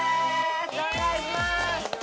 お願いしまーす！